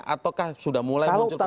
ataukah sudah mulai muncul